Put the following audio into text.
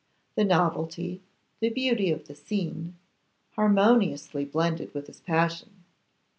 The novelty, the beauty of the scene, harmoniously blended with his passion.